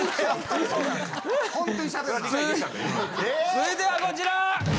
続いてはこちら！